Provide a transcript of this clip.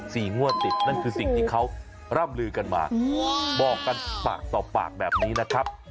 งวดติดนั่นคือสิ่งที่เขาร่ำลือกันมาบอกกันปากต่อปากแบบนี้นะครับ